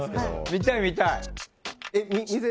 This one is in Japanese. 見たい、見たい。